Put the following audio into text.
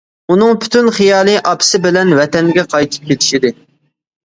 ئۇنىڭ پۈتۈن خىيالى ئاپىسى بىلەن ۋەتەنگە قايتىپ كېتىش ئىدى.